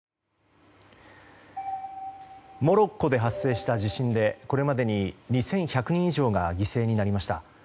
モロッコで発生した地震でこれまでに２１００人以上が犠牲になりました。